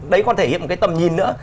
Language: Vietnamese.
đấy còn thể hiện một cái tầm nhìn nữa